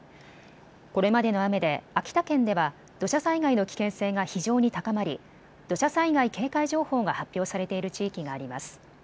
これまでの雨で秋田県では土砂災害の危険性が非常に高まり土砂災害警戒情報が発表されている地域があります。